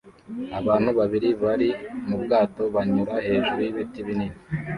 Abantu babiri bari mu bwato banyura hejuru y'ibiti binini